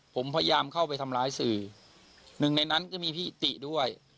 ผมพยายามเข้าไปทำร้ายสื่อหนึ่งในนั้นก็มีพี่ติด้วย